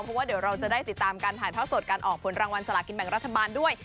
เพราะว่าเดี๋ยวเราจะได้ติดตามการถ่ายท่อสดการออกผลรางวัลสลากินแบ่งรัฐบาลด้วย